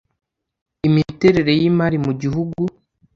imiterere y imari mu gihugu